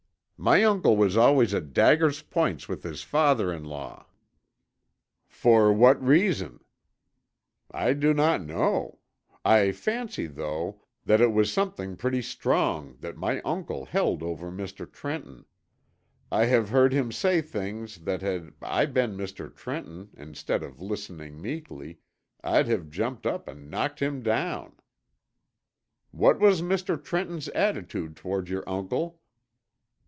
"My uncle was always at dagger's points with his father in law." "For what reason?" "I do not know. I fancy, though, that it was something pretty strong that my uncle held over Mr. Trenton. I have heard him say things that had I been Mr. Trenton, instead of listening meekly, I'd have jumped up and knocked him down." "What was Mr. Trenton's attitude toward your uncle?"